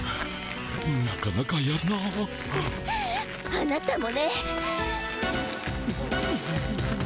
あなたもね。